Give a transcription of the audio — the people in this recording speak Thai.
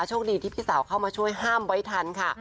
โชคดีที่พี่สาวเข้ามาช่วยห้ามไว้ทันค่ะ